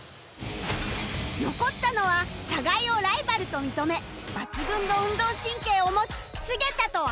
残ったのは互いをライバルと認め抜群の運動神経を持つ菅田と安嶋